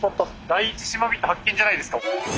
第一島人発見じゃないですか。